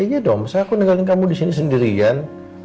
iya dong sehaku nenggalkan kamu di sini sendirian